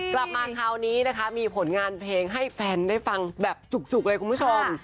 กลับมาคราวนี้นะคะมีผลงานเพลงให้แฟนได้ฟังแบบจุกเลยคุณผู้ชม